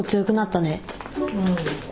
うん。